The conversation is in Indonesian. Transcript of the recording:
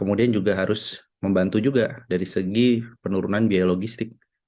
kemudian juga harus membantu juga dari segi penurunan biaya logistik